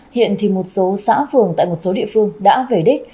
hiện thì một số xã phường tại một số địa phương đã về đích